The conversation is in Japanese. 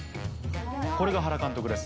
これが原監督です。